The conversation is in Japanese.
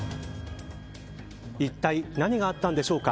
いったい何があったんでしょうか。